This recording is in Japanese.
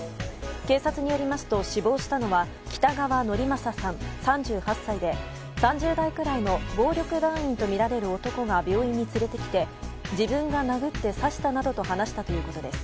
警察によりますと死亡したのは北川典聖さん、３８歳で３０代くらいの暴力団員とみられる男が病院に連れてきて自分が殴って刺したなどと話したということです。